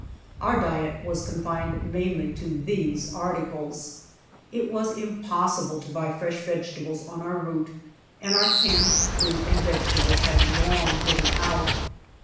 Our diet was confined mainly to these articles. It was imjpossible to buy fresh vegetables on our route, and our canned fruit and vegetables had long given OMt.